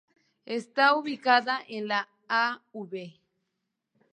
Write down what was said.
Está ubicada en la Av.